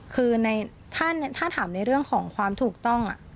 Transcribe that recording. คือถ้าถามในเรื่องของความถูกต้อง